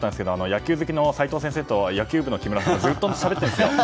野球好きの齋藤先生と野球部の木村さんがずっとしゃべってますよ。